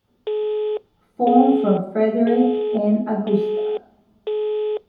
Formed from Frederick and Augusta.